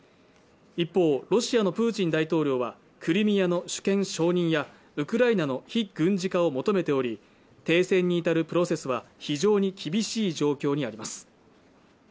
一方ロシアのプーチン大統領はクリミアの主権承認やウクライナの非軍事化を求めており停戦に至るプロセスは非常に厳しい状況にあります